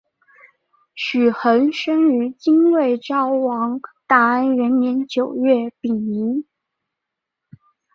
许衡生于金卫绍王大安元年九月丙寅。